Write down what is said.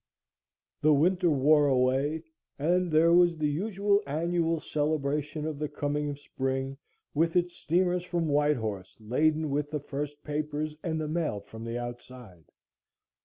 The winter wore away, and there was the usual annual celebration of the coming of spring with its steamers from White Horse laden with the first papers and the mail from the outside.